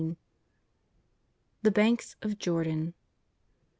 THE BANKS OF JORDAN.